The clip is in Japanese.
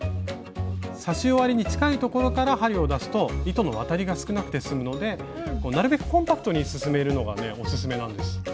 刺し終わりに近いところから針を出すと糸の渡りが少なくてすむのでなるべくコンパクトに進めるのがオススメなんです。